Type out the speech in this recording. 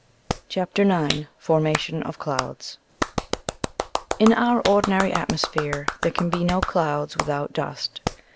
CHAPTER IX FORMATION OF CLOUDS In our ordinary atmosphere there can be no clouds without dust.